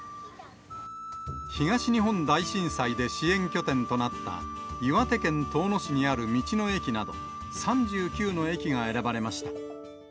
東日本大震災で支援拠点となった、岩手県遠野市にある道の駅など、３９の駅が選ばれました。